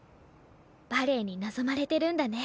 バレエに望まれてるんだね。